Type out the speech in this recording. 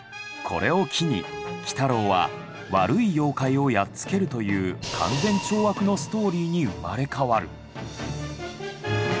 これを機に鬼太郎は悪い妖怪をやっつけるという勧善懲悪のストーリーに生まれ変わる。